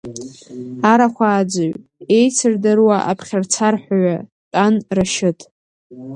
Арахәааӡаҩ, еицырдыруа аԥхьарцарҳәаҩы Тәан Рашьыҭ…